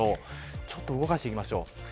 ちょっと動かしてみましょう。